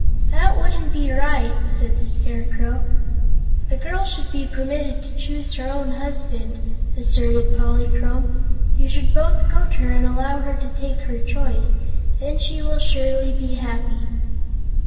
"That wouldn't be right," said the Scarecrow. "The girl should be permitted to choose her own husband," asserted Polychrome. "You should both go to her and allow her to take her choice. Then she will surely be happy."